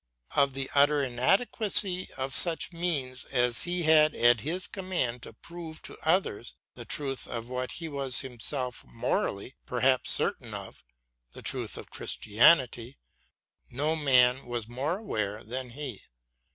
Of the utter inadequacy of such means as he had at his command to prove to others the truth of what he was himself morally perhaps certain of — ^the truth of Christianity — no man was more aware than he.